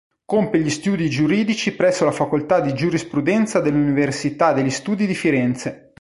Compie gli studi giuridici presso la Facoltà di Giurisprudenza dell'Università degli Studi di Firenze.